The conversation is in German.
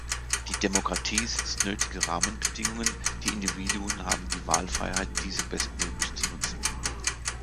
Die Demokratie setzt nötige Rahmenbedingungen, die Individuen haben die Wahlfreiheit, diese bestmöglich zu nutzen.